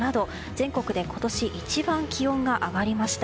全国で今年一番気温が上がりました。